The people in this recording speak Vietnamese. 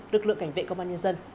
lực lượng cảnh vệ công an nhân dân